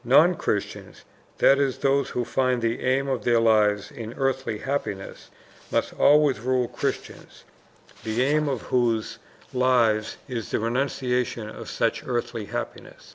Non Christians, that is those who find the aim of their lives in earthly happiness, must always rule Christians, the aim of whose lives is the renunciation of such earthly happiness.